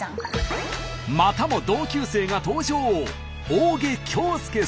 またも同級生が登場。